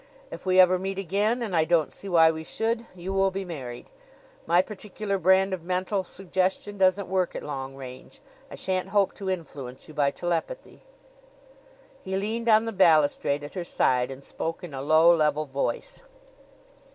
If we ever meet again and I don't see why we should you will be married. My particular brand of mental suggestion doesn't work at long range. I shan't hope to influence you by telepathy." He leaned on the balustrade at her side and spoke in a low, level voice.